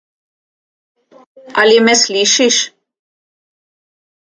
Ali me slišiš?